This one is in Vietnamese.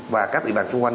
và các địa bàn xung quanh